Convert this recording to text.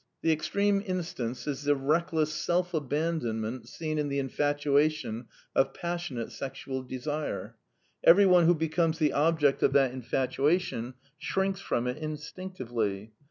The extreme instance is the reckless self abandonment seen in the infatuation of passionate sexual desire. Every one who becomes the object of that infatuation shrinks from it instinctively.